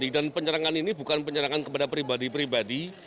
dan penyerangan ini bukan penyerangan kepada pribadi pribadi